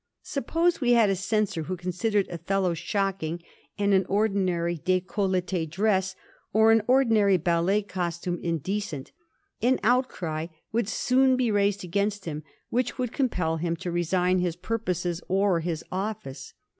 Suppose we had a censor who considered '^ Othello " shocking, and an ordinary decoUetie dress or an ordinary ballet costume in decent, an outcry would soon be raised against him which would compel him to resign his purposes or his office.